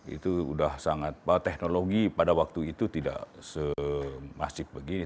itu sudah sangat teknologi pada waktu itu tidak semasif begini